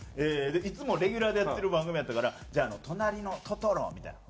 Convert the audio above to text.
いつもレギュラーでやってる番組やったから「じゃあ『となりのトトロ』」みたいな。